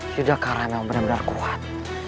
yudhakara memang benar benar kuat